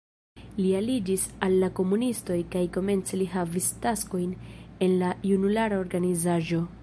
Li aliĝis al la komunistoj kaj komence li havis taskojn en la junulara organizaĵo.